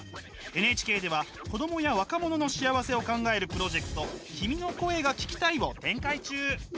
ＮＨＫでは子どもや若者の幸せを考えるプロジェクト「君の声が聴きたい」を展開中。